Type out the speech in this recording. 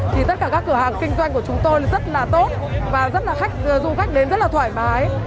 thì tất cả các cửa hàng kinh doanh của chúng tôi rất là tốt và du khách đến rất là thoải mái